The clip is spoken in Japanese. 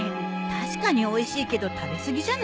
確かにおいしいけど食べ過ぎじゃない？